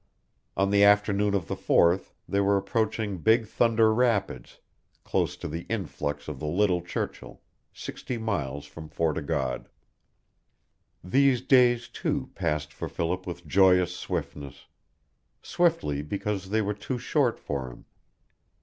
On the afternoon of the fourth they were approaching Big Thunder Rapids, close to the influx of the Little Churchill, sixty miles from Fort o' God. These days, too, passed for Philip with joyous swiftness; swiftly because they were too short for him.